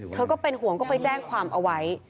เธอก็เป็นห่วงก็ไปแจ้งความอไหว